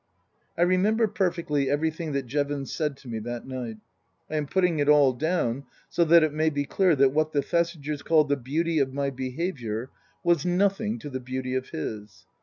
I remember perfectly everything that Jevons said to me that night. I am putting it all down so that it may be clear that what the Thesigers called the beauty of my behaviour was nothing to the beauty of his.